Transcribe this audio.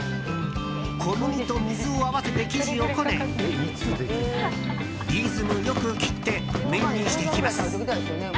小麦と水を合わせて生地をこねリズム良く切って麺にしていきます。